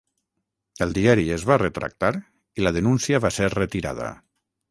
El diari es va retractar i la denúncia va ser retirada.